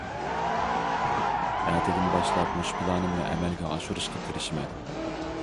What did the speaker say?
ئەتىدىن باشلاپ مۇشۇ پىلانىمنى ئەمەلگە ئاشۇرۇشقا تىرىشىمەن.